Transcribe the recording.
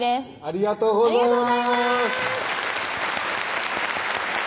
ありがとうございます